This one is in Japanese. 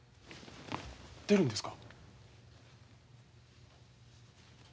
出るんですか？